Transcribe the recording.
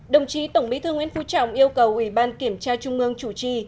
đồng chí tổng bí thư nguyễn phú trọng yêu cầu ủy ban kiểm tra trung ương chủ trì